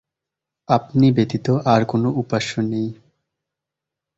আপনি ব্যতীত আর কোনো উপাস্য নেই।